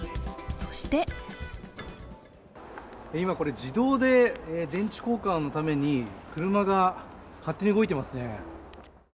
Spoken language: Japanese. そして今これ、自動で電池交換のために車が勝手に動いていますね。